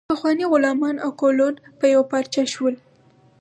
پخواني غلامان او کولون په یوه پارچه شول.